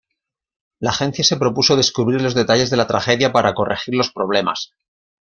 La agencia se propuso descubrir los detalles de la tragedia, para corregir los problemas.